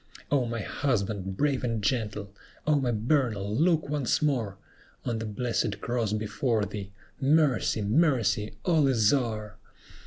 O my husband, brave and gentle! O my Bernal, look once more On the blessed cross before thee! Mercy! mercy! all is o'er!"